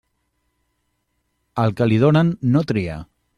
Al que li donen, no tria.